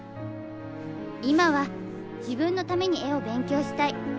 今は自分のために絵を勉強したい。